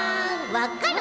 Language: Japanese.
わかる？